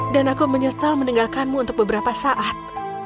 dan aku menyesal meninggalkanmu untuk beberapa saat